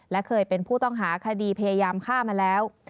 และเคยเป็นผู้ต้องหาคดีพยายามฆ่ามาแล้ว